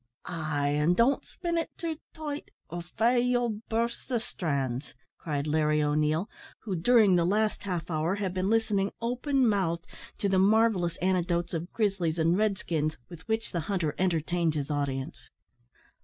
"Ay, an' don't spin it too tight, or, faix, ye'll burst the strands," cried Larry O'Neil, who, during the last half hour, had been listening, open mouthed, to the marvellous anecdotes of grizzlies and red skins, with which the hunter entertained his audience.